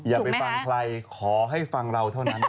อย่าไปฟังใครขอให้ฟังเราเท่านั้น